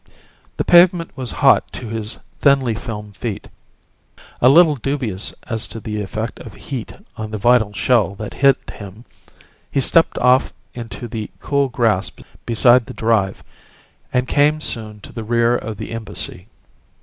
The pavement was hot to his thinly filmed feet. A little dubious as to the effect of heat on the vital shell that hid him, he stepped off into the cool grass beside the drive; and came soon to the rear of the embassy.